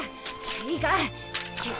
いいかっ！